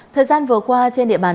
thời gian vừa qua trên địa bàn